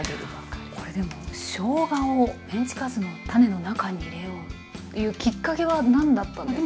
これでもしょうがをメンチカツのタネの中に入れようというきっかけは何だったんですか？